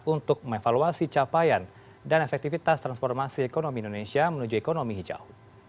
untuk mengevaluasi capaian dan efektivitas transformasi ekonomi indonesia menuju ekonomi hijau